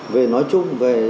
về nói chung